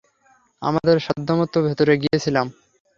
আমাদের সাধ্যমতো ভেতরে গিয়েছিলাম।